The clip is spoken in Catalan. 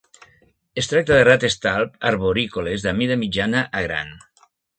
Es tracta de rates talp arborícoles de mida mitjana a gran.